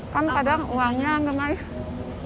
kan kadang uangnya enggak maiz